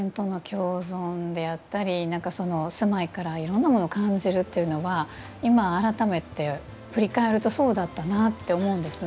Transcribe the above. もちろん自然との共存であったり住まいからいろんなものを感じるというのは今、改めて振り返るとそうだったなと思うんですね。